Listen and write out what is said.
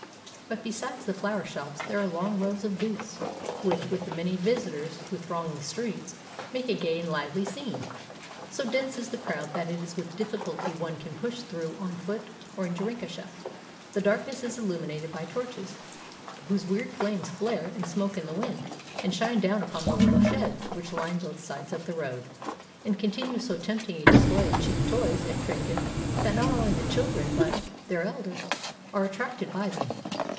But besides the flower shows, there are long rows of booths, which, with the many visitors who throng the streets, make a gay and lively scene. So dense is the crowd that it is with difl&culty one can push through on foot or in jinrikisha. The darkness is illuminated by torches, whose weird flames flare and smoke in the wind, and shine down upon the httle sheds which line both sides of the road, and contain so tempting a display of cheap toys and trinkets that not only the children, but their elders, are attracted by them.